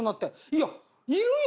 いやいるよ！